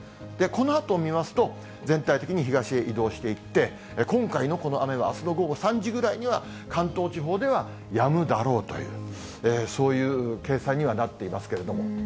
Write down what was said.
このあと見ますと、全体的に東へ移動していって、今回のこの雨はあすの午後３時ぐらいには、関東地方ではやむだろうという、そういう計算にはなっていますけれども。